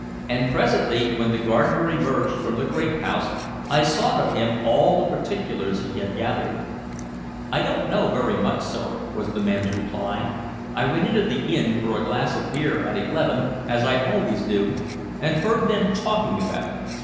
And presently, when the gardener emerged from the grape house, I sought of him all the particulars he had gathered. "I don't know very much, sir," was the man's reply. "I went into the inn for a glass of beer at eleven, as I always do, and heard them talking about it.